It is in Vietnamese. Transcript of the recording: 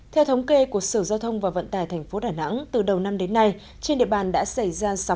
theo thống kê của sở giao thông và vận tài tp đà nẵng từ đầu năm đến nay trên địa bàn đã xảy ra